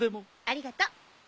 ありがとう。